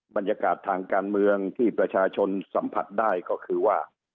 บรรยากาศทางการเมืองที่ประชาชนสัมผัสได้ก็คือว่า